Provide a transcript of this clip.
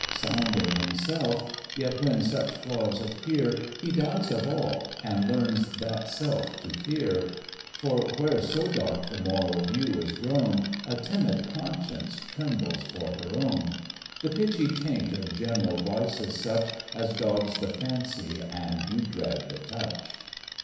Sound in himself, yet when such flaws appear, He doubts of all, and learns that self to fear: For where so dark the moral view is grown, A timid conscience trembles for her own; The pitchy taint of general vice is such As daubs the fancy, and you dread the touch.